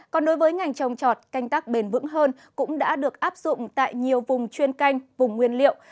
còn đối với ngành trồng trọt canh tác bền vững hơn cũng đã được áp dụng tại nhiều vùng chuyên canh vùng nguyên liệu